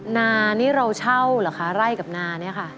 นานี่เราเช่าเหรอคะไร่กับนาเนี่ยค่ะ